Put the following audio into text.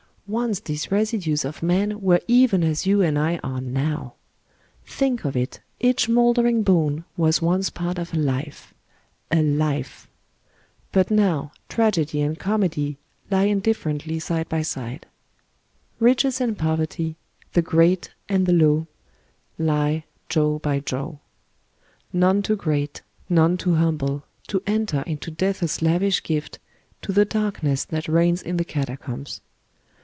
Once these residues of men were even as you and I are now. Think of it, each mouldering bone was once part of a life ŌĆö a life ! But now. Tragedy and Comedy lie indiiFerently side by side. 128 PARIS Riches and poverty, the great and the low, lie jaw bj jaw. None too great, none too humble to enter into Death's lavish gift to the darkness that reigns in the catacombs.